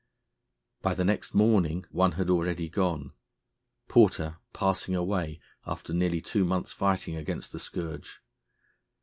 By the next morning one had already gone, Porter passing away after nearly two months' fighting against the scourge.